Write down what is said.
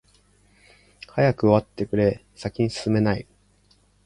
早く終わってくれ、先に進めない。